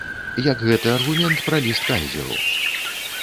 Як гэты аргумент пра ліст кайзеру.